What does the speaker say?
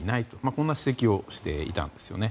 こんな指摘をしていたんですね。